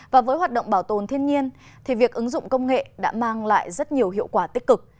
và với hoạt động bảo tồn thiên nhiên thì việc ứng dụng công nghệ đã mang lại rất nhiều hiệu quả tích cực